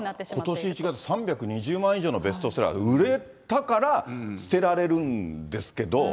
ことし１月、３２０万以上のベストセラー、売れたから捨てられるんですけど。